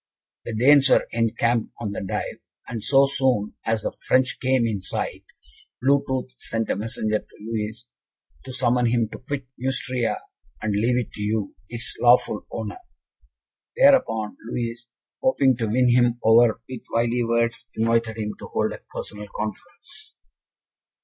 "The Danes were encamped on the Dive, and so soon as the French came in sight, Blue tooth sent a messenger to Louis, to summon him to quit Neustria, and leave it to you, its lawful owner. Thereupon, Louis, hoping to win him over with wily words, invited him to hold a personal conference."